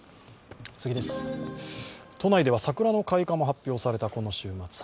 都内では桜の開花も発表されたこの週末。